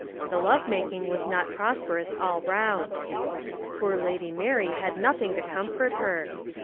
The love making was not prosperous all round. Poor Lady Mary had nothing to comfort her.